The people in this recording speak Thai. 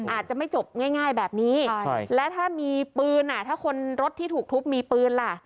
อาจจะไม่จบง่ายแบบนี้และถ้ามีปืนถ้าคนรถที่ถูกทุบมีปืนล่ะ